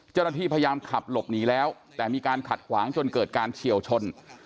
เจ้าหน้าที่พยายามขับหลบหนีแล้วแต่มีการขัดขวางจนเกิดการเฉียวชน